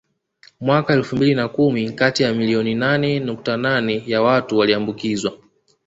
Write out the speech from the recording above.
Mwaka elfu mbili na kumi kati ya milioni nane nukta nane ya watu waliambukizwa